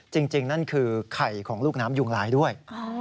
จริงนั่นคือไข่ของลูกน้ำยุงลายด้วย